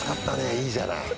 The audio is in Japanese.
いいじゃない。